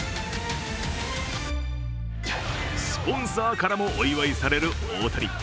スポンサーからもお祝いされる大谷。